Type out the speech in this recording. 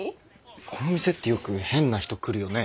この店ってよく変な人来るよね。